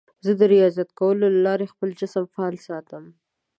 زه د ریاضت کولو له لارې خپل جسم فعال ساتم.